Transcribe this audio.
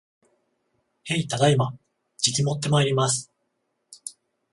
へい、ただいま。じきもってまいります